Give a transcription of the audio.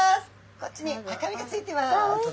こっちに赤身がついてます。